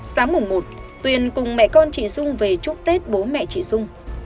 sáng mùng một tuyền cùng mẹ con chị dung về chúc tết bố mẹ chị dung